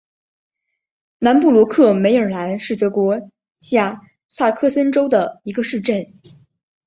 南布罗克梅尔兰是德国下萨克森州的一个市镇。